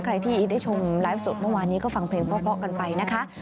ใครที่ได้ชมไลฟ์สดเมื่อวานนี้ก็ฟังเพลงเพราะกันไปนะคะ